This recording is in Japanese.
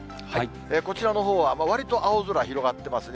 こちらの方はわりと青空広がってますね。